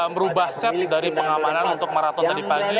merubah set dari pengamanan untuk maraton tadi pagi